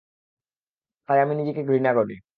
তাই আমি নিজেকে ঘৃণা করি।